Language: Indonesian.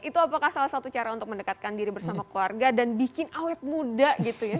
itu apakah salah satu cara untuk mendekatkan diri bersama keluarga dan bikin awet muda gitu ya